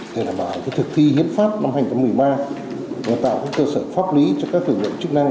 để đảm bảo thực thi hiến pháp năm hai nghìn một mươi ba và tạo cơ sở pháp lý cho các lực lượng chức năng